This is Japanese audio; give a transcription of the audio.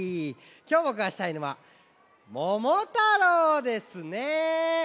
きょうぼくがしたいのは「ももたろう」ですね。